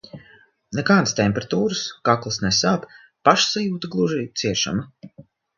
Nekādas temperatūras, kakls nesāp, pašsajūta gluži ciešama.